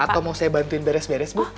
atau mau saya bantuin beres beres bu